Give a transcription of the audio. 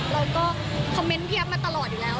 เราก็คอมเมนต์พี่แอฟมาตลอดอยู่แล้ว